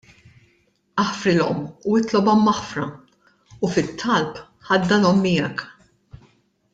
Aħfrilhom u itlobhom maħfra u, fit-talb, ħaddanhom miegħek.